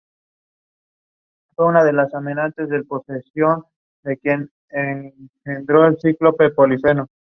No podía usar vestiduras de lino.